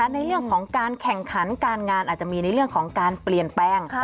ในเรื่องของการแข่งขันการงานอาจจะมีในเรื่องของการเปลี่ยนแปลง